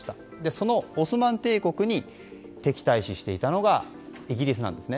そのオスマン帝国に敵対視していたのがイギリスなんです。